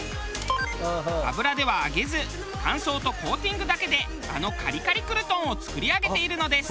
油では揚げず乾燥とコーティングだけであのカリカリクルトンを作り上げているのです。